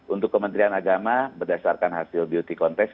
untuk kementerian agama berdasarkan hasil beauty contest